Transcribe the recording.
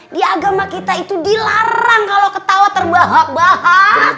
di agama kita itu dilarang kalau ketawa terbahak bahak